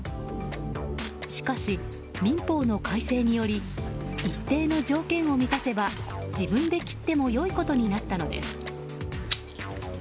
しかし民法の改正により一定の条件を満たせば自分で切ってもよいことになったのです。